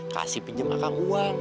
kasih pinjam akang uang